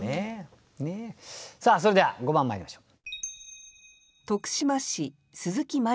さあそれでは５番まいりましょう。